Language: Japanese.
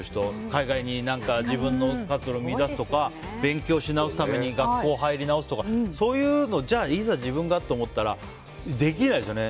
海外に活路を見いだすとか勉強し直すために学校入り直すとかそういうのいざ自分がって思ったらできないですよね。